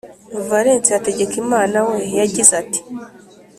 valens hategekimana we yagize ati